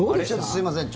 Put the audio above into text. すいません。